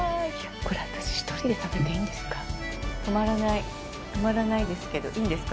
これ、私１人で食べていいんですか？